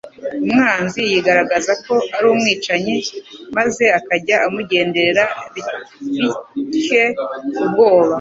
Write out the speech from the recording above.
umwanzi yigaragaza ko ari umwicanyi, maze akajya amugenderera bitcye ubwoba.